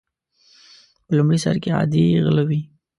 په لومړي سر کې عادي غله وي.